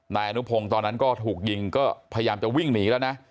นายอนุพงศ์ตอนนั้นก็ถูกยิงก็พยายามจะวิ่งหนีแล้วนะ